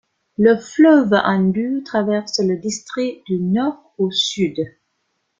Le fleuve Indus traverse le district du nord au sud.